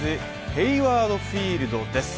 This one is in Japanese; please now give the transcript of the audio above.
ヘイワードフィールドです。